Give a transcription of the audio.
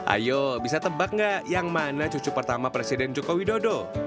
ayo bisa tebak nggak yang mana cucu pertama presiden joko widodo